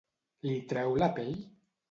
Li treu la pell?